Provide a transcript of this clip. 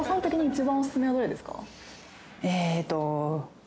えーっと。